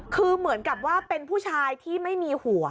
คือเหมือนกับว่าเป็นผู้ชายที่ไม่มีหัว